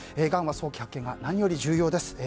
がんは早期発見が何より重要です。